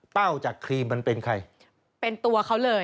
เป้าจากครีมเกียรติข้าบเป็นใคร